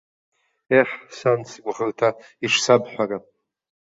Еҳ, сан сгәыӷырҭа, ишсабҳәара!